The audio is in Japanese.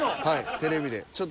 はいテレビで。